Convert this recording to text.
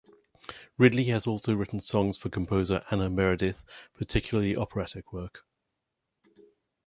Ridley has also written songs for composer Anna Meredith, particularly operatic work.